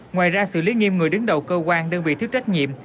ngoài ra xử lý nghiêm người đứng đầu cơ quan đơn vị thiếu trách nhiệm